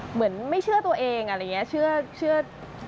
เหมือนไม่เชื่อตัวเองอะไรอย่างนี้เชื่อ